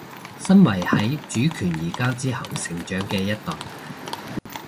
身為喺主權移交之後成長嘅一代